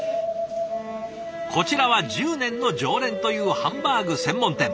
こちらは１０年の常連というハンバーグ専門店。